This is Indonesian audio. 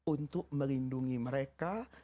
untuk melindungi mereka